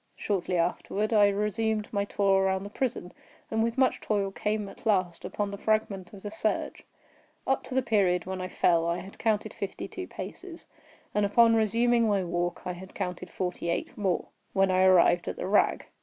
Shortly afterward, I resumed my tour around the prison, and with much toil came at last upon the fragment of the serge. Up to the period when I fell I had counted fifty two paces, and upon resuming my walk, I had counted forty eight more—when I arrived at the rag.